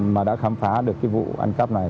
mà đã khám phá được cái vụ ăn cắp này